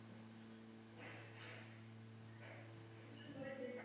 Zámek však ztratil sídelní funkci a byl využíván pro správu statku.